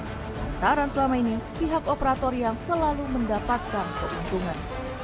lantaran selama ini pihak operator yang selalu mendapatkan keuntungan